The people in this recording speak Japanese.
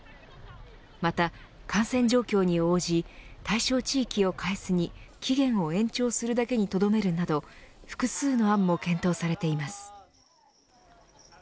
また、感染状況に応じ対象地域を変えずに期限を延長するだけにとどめるなど複数の案も検討されています。